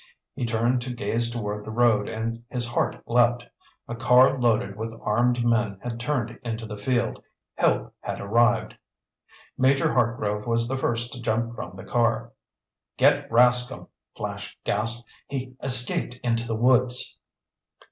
He turned to gaze toward the road and his heart leaped. A car loaded with armed men had turned into the field. Help had arrived! Major Hartgrove was the first to jump from the car. "Get Rascomb!" Flash gasped. "He escaped into the woods!"